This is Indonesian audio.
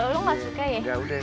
lo gak suka ya